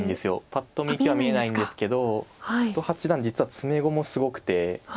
パッと見生きは見えないんですけど瀬戸八段実は詰碁もすごくて。